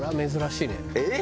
えっ！？